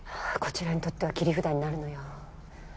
こちらにとっては切り札になるのよ。